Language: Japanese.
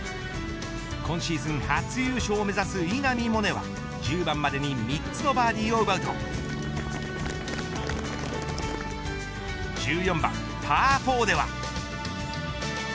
今シーズン初優勝を目指す稲見萌寧は１０番までに３つのバーディーを奪うと１４番パー４では。